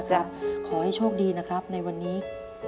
ขอให้โชคดีในวันนี้